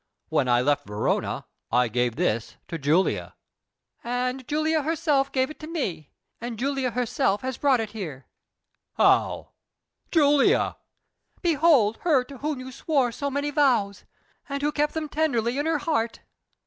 "When I left Verona I gave this to Julia." "And Julia herself gave it to me, and Julia herself has brought it here." "How? Julia!" "Behold her to whom you swore so many vows, and who kept them tenderly in her heart!